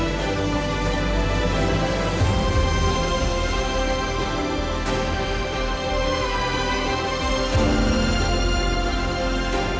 beraninya pak pura